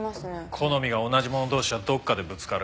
好みが同じ者同士はどこかでぶつかる。